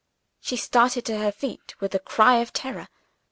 She started to her feet with a cry of terror.